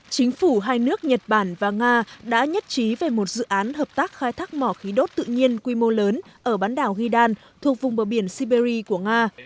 chính phủ hai nước nhật bản và nga đã nhất trí về một dự án hợp tác khai thác mỏ khí đốt tự nhiên quy mô lớn ở bán đảo hidan thuộc vùng bờ biển siberia của nga